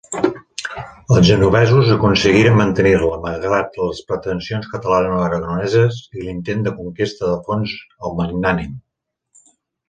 Els genovesos aconseguiren mantenir-la malgrat les pretensions catalanoaragoneses i l'intent de conquesta d'Alfons el Magnànim.